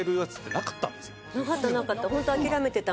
なかったなかった。